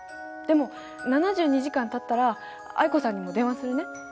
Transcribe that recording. でも７２時間たったら藍子さんにも電話するね。